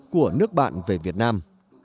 của nước bạn về việt nam